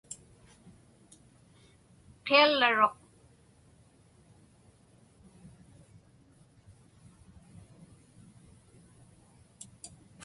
Qiallaruq.